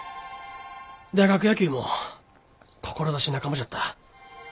大学野球も志半ばじゃった。